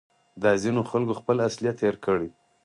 دا ځینو خلکو خپل اصلیت هېر کړی